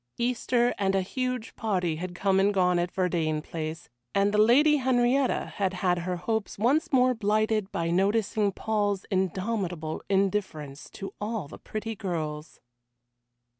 Easter and a huge party had come and gone at Verdayne Place, and the Lady Henrietta had had her hopes once more blighted by noticing Paul's indomitable indifference to all the pretty girls.